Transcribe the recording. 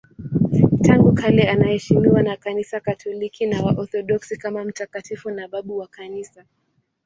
Tangu kale anaheshimiwa na Kanisa Katoliki na Waorthodoksi kama mtakatifu na babu wa Kanisa.